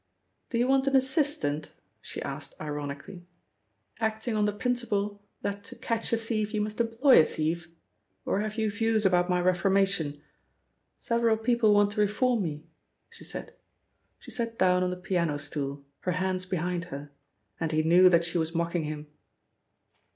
"Do you want an assistant," she asked ironically, "acting on the principle that to catch a thief you must employ a thief? Or have you views about my reformation? Several people want to reform me," she said. She sat down on the piano stool, her hands behind her, and he knew that she was mocking him.